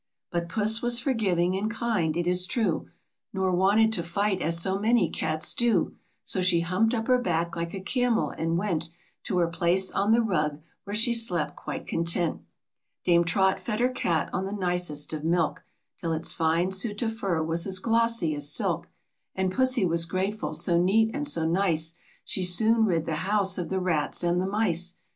But Puss was forgiving and kind, it is true, Nor wanted to fight as so many cats do, So she humped up her back like a camel, and went To her place on the rug, where she quite content. Dame Trot fed her cat on the nicest of milk, Till its fine suit of fur was as glossy as silk, And Pussy was grateful, so neat and so nice, She soon rid the house of the rats and the mice.